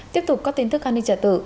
tiếp tục có tin thức an ninh trả tự